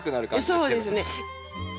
そうですね。